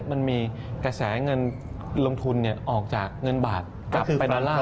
มันมีกระแสเงินลงทุนออกจากเงินบาทกลับไปดอลลาร์